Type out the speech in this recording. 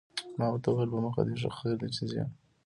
ما ورته وویل: په مخه دې ښه، خیر دی چې ځې.